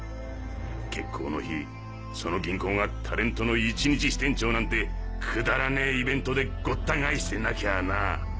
決行の日その銀行がタレントの１日支店長なんてくだらねぇイベントでごったがえしてなきゃな。